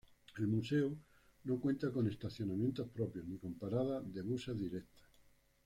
El museo no cuenta con estacionamiento propio ni con paradas de buses directas.